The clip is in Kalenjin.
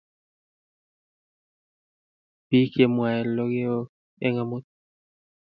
bik che mwae lokeok eng amut